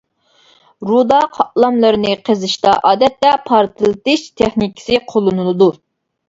رۇدا قاتلاملىرىنى قېزىشتا، ئادەتتە پارتلىتىش تېخنىكىسى قوللىنىلىدۇ.